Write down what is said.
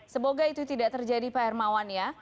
semoga itu tidak terjadi pak hermawan ya